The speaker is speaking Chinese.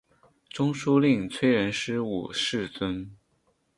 中书令崔仁师五世孙。